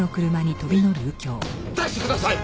出してください！